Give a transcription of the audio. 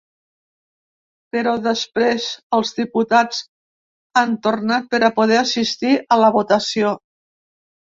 Però després els diputats han tornat per a poder assistir a la votació.